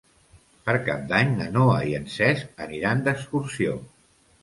Per Cap d'Any na Noa i en Cesc aniran d'excursió.